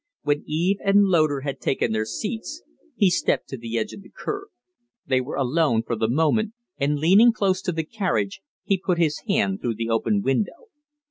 When Eve and Loder had taken their seats he stepped to the edge of the curb. They were alone for the moment, and, leaning close to the carriage, he put his hand through the open window.